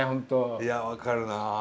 いや分かるなあ。